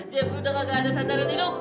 jangan jangan jangan